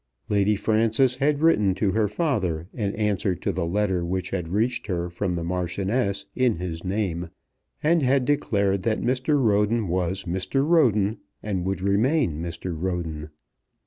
Lady Frances had written to her father in answer to the letter which had reached her from the Marchioness in his name, and had declared that Mr. Roden was Mr. Roden, and would remain Mr. Roden.